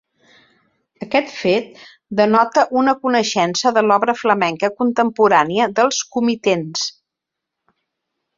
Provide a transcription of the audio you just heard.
Aquest fet denota una coneixença de l'obra flamenca contemporània dels comitents.